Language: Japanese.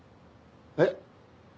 えっ？